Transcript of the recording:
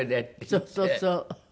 そうそうそう。